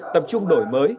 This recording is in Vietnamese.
tập trung đổi mới